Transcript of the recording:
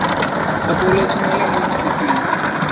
La población alemana declina.